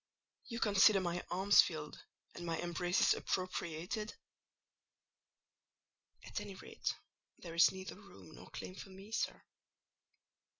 You consider my arms filled and my embraces appropriated?" "At any rate, there is neither room nor claim for me, sir."